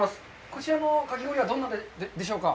こちらのかき氷はどんなでしょうか。